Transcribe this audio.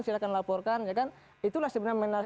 silahkan laporkan ya kan itulah sebenarnya